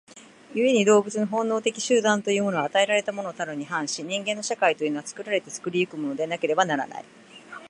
故に動物の本能的集団というものは与えられたものたるに反し、人間の社会というのは作られて作り行くものでなければならない。